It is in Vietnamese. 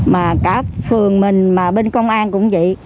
mà cả phường mình mà bên công an cũng vậy